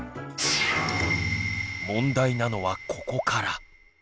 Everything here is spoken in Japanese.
問題なのはここから。